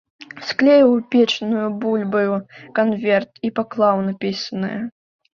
Склеіў печанаю бульбаю канверт і паклаў напісанае.